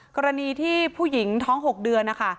กรณีที่ผู้หญิงท้อง๖เดือนนะคะ